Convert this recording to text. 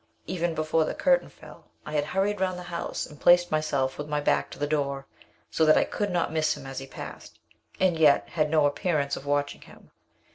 Even before the curtain fell, I had hurried round the house and placed myself with my back to the door, so that I could not miss him as he passed, and yet had no appearance of watching him.